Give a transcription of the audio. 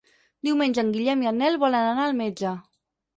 Diumenge en Guillem i en Nel volen anar al metge.